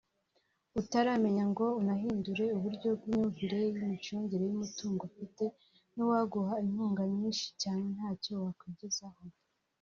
“Utaramenya ngo unahindure uburyo bw’imyimvire y’imicungire y’umutungo ufite n’uwaguha inkunga nyinshi cyane ntacyo wakwigezaho”